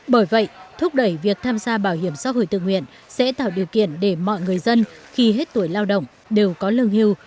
bởi vậy thúc đẩy việc tham gia bảo hiểm xã hội tự nguyện sẽ tạo điều kiện để mọi người dân khi hết tuổi lao động đều có lương hưu